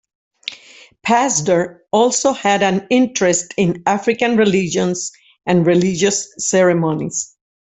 Pazder also had an interest in African religions and religious ceremonies.